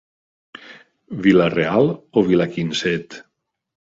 Vila-real o vila quinzet?